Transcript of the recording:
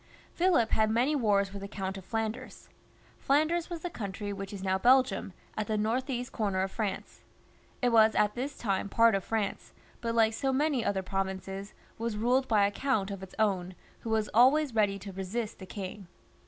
Philip had many wars with the Count of Flanders. Flanders was the country which is now Belgium, at the north east comer of France. It was at that time part of France, but like so many other provinces, was ruled by a count of its own, who was always ready to resist the king.